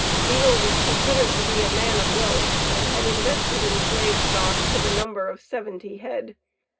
Beale was considered to be a man of wealth, and had invested in Slave stock to the number of seventy head.